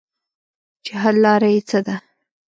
چې حل لاره ئې څۀ ده -